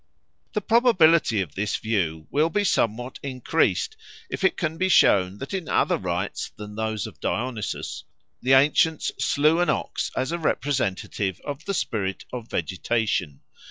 The probability of this view will be somewhat increased if it can be shown that in other rites than those of Dionysus the ancients slew an OX as a representative of the spirit of vegetation.